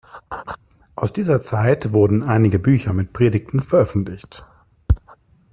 Aus dieser Zeit wurden einige Bücher mit Predigten veröffentlicht.